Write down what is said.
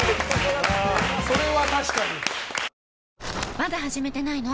まだ始めてないの？